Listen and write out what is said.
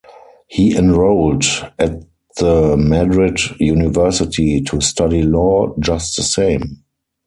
He enrolled at the Madrid University to study law, just the same.